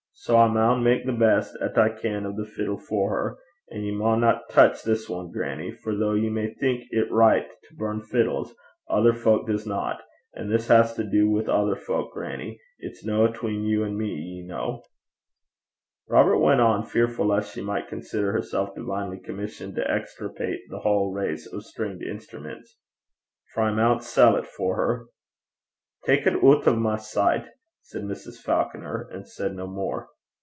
Sae I maun mak the best 'at I can o' the fiddle for her. An' ye maunna touch this ane, grannie; for though ye may think it richt to burn fiddles, ither fowk disna; and this has to do wi' ither fowk, grannie; it's no atween you an' me, ye ken,' Robert went on, fearful lest she might consider herself divinely commissioned to extirpate the whole race of stringed instruments, 'for I maun sell 't for her.' 'Tak it oot o' my sicht,' said Mrs. Falconer, and said no more.